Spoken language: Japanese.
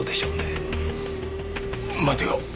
待てよ。